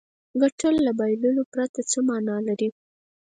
ګټل له بایللو پرته څه معنا لري.